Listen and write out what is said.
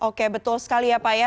oke betul sekali ya pak ya